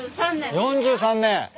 ４３年。